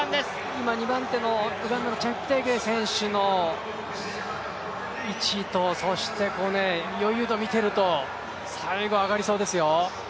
今、２番手のチェプテゲイ選手の位置とそして余裕度を見ていると最後上がりそうですよ。